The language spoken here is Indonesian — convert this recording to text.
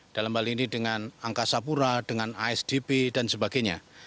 dalam hal ini dengan angkasa pura dengan asdp dan sebagainya